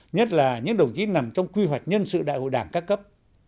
nhất là những đồng chí nằm trong quy hoạch nhân sự đại hội đảng các cấp